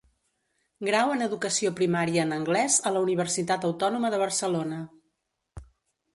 Grau en educació primària en anglès a la Universitat Autònoma de Barcelona.